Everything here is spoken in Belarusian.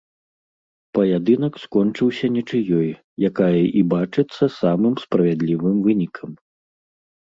Паядынак скончыўся нічыёй, якая і бачыцца самым справядлівым вынікам.